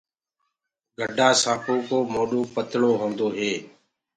گَڊآ سآنپو ڪو موڏو پتݪو هوندو هي۔